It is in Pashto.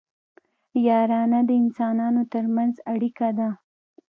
یارانه د انسانانو ترمنځ اړیکه ده